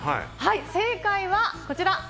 正解はこちら。